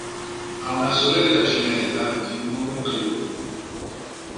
Ha una sorella gemella di nome Chloe.